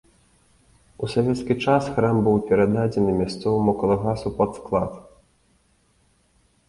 У савецкі час храм быў перададзены мясцоваму калгасу пад склад.